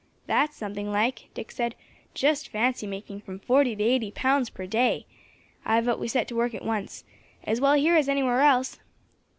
"That's something like!" Dick said. "Just fancy making from forty to eighty pounds per day. I vote we set to work at once. As well here as anywhere else."